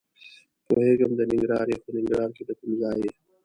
پوهېږم د ننګرهار یې؟ خو ننګرهار کې د کوم ځای یې؟